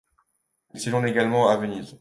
Il séjourne également à Venise.